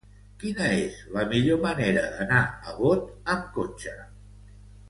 Quina és la millor manera d'anar a Bot amb cotxe?